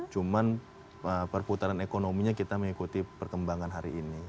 cuman perputaran ekonominya kita mengikuti perkembangan hari ini